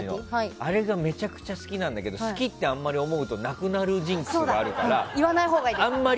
あれがめちゃくちゃ好きなんだけど好きって思うとなくなるジンクスがあるから。